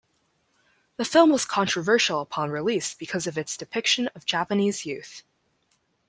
The film was controversial upon release because of its depiction of Japanese youth.